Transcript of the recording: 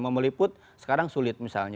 mau meliput sekarang sulit misalnya